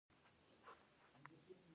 د غاښونو د روغتیا لپاره مسواک وهل مه هیروئ